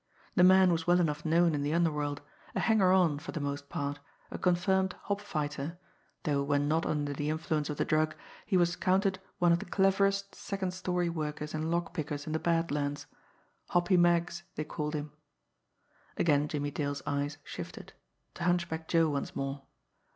The man was well enough known in the underworld, a hanger on for the most part, a confirmed hop fighter, though when not under the influence of the drug he was counted one of the cleverest second story workers and lock pickers in the Bad Lands Hoppy Meggs, they called him. Again Jimmie Dale's eyes shifted to Hunchback Joe once more.